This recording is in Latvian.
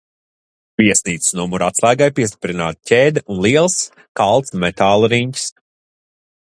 Viesnīcas numura atslēgai piestiprināta ķēde un liels, kalts metāla riņķis.